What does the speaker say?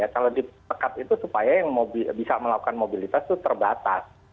kalau dipekat itu supaya yang bisa melakukan mobilitas itu terbatas